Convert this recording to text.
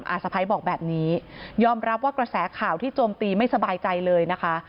สะพ้ายบอกแบบนี้ยอมรับว่ากระแสข่าวที่โจมตีไม่สบายใจเลยนะคะ